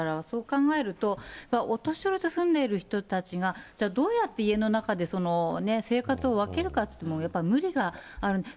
そう考えると、お年寄りと住んでいる人たちが、じゃあどうやって家の中で、生活を分けるかといっても、やっぱ無理がある。